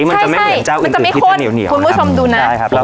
มันจะไม่เหมือนเจ้าอื่นอื่นที่จะเหนียวเหนียวมันจะไม่ข้นคุณผู้ชมดูนะได้ครับ